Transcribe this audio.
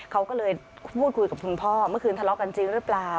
เขาก็เลยพูดคุยกับคุณพ่อเมื่อคืนทะเลาะกันจริงหรือเปล่า